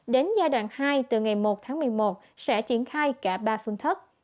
đến giai đoạn hai từ ngày một tháng một mươi một sẽ triển khai cả ba phương thức